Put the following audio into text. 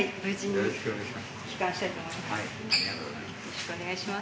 よろしくお願いします。